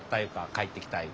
帰ってきた。